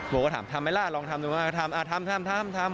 โบก็ถามทำไว้ล่ะลองทำดูก่อนครับทำอ่าทำ